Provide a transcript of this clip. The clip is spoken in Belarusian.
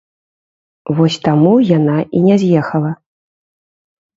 Вось таму яна і не з'ехала.